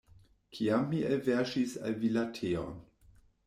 Kiam mi elverŝis al vi la teon.